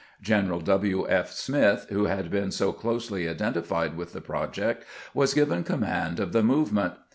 General W. F. Smith, who had been so closely identified with the project, was given command of the movement.